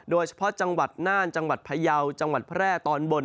โดยเฉพาะจังหวัดน่านจังหวัดพยาวจังหวัดแพร่ตอนบน